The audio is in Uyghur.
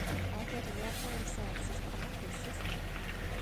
ئەگەر يەر تەۋرىسە، سىز قانداق قىلىسىز.